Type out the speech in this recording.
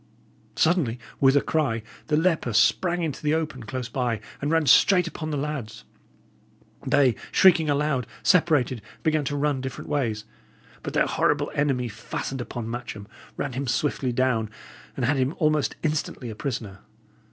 Suddenly, with a cry, the leper sprang into the open close by, and ran straight upon the lads. They, shrieking aloud, separated and began to run different ways. But their horrible enemy fastened upon Matcham, ran him swiftly down, and had him almost instantly a prisoner.